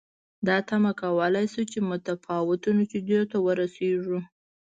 دا تمه کولای شو چې متفاوتو نتیجو ته ورسېږو.